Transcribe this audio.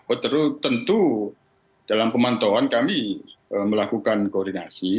oh tentu dalam pemantauan kami melakukan koordinasi